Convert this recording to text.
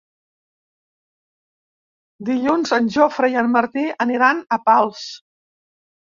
Dilluns en Jofre i en Martí aniran a Pals.